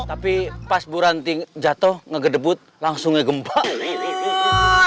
tapi pas bu ranti jatoh ngedebut langsung ngegembang